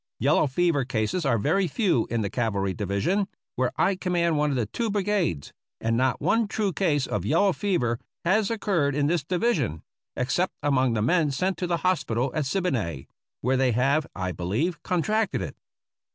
Yellow fever cases are very few in the cavalry division, where I command one of the two brigades, and not one true case of yellow fever has occurred in this division, except among the men sent to the hospital at Siboney, where they have, I believe, contracted it.